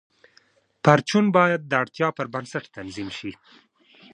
پرچون باید د اړتیا پر بنسټ تنظیم شي.